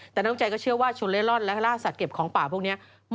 แต่น้องใจก็เชื่อว่าชนเล่ร่อนและล่าสัตว์ของป่าพวกนี้